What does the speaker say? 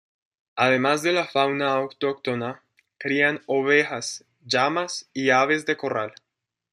Además de la fauna autóctona, crían ovejas, llamas y aves de corral.